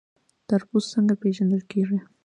تربوز څنګه پیژندل کیږي؟